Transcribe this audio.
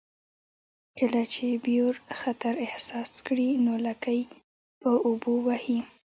کله چې بیور خطر احساس کړي نو لکۍ په اوبو وهي